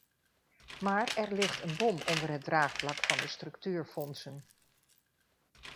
Maar er ligt een bom onder het draagvlak van de structuurfondsen.